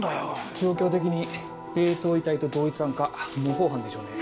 状況的に冷凍遺体と同一犯か模倣犯でしょうね。